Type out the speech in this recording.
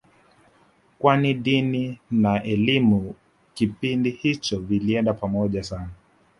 kwani dini na elimu kipindi hicho vilienda pamoja sana